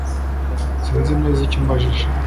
Sinzi neza icyo umbajije